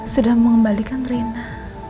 sudah mengembalikan rina